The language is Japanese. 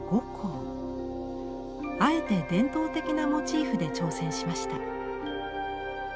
あえて伝統的なモチーフで挑戦しました。